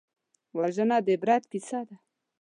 وژنه د عبرت کیسه ده